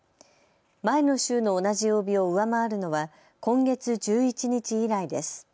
前の週の同じ曜日を上回るのは今月１１日以来です。